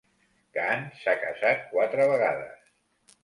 Caan s'ha casat quatre vegades.